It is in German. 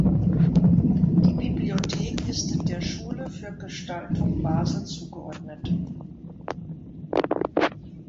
Die Bibliothek ist der Schule für Gestaltung Basel zugeordnet.